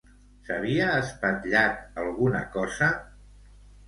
S'havia espatllat alguna cosa?